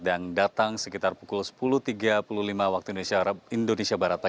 yang datang sekitar pukul sepuluh tiga puluh lima wib